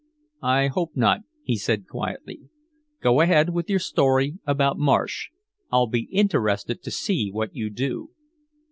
"I hope not," he said quietly. "Go ahead with your story about Marsh. I'll be interested to see what you do."